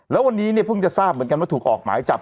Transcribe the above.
แล้ววันนี้เนี่ยเพิ่งจะทราบเหมือนกันว่าถูกออกหมายจับ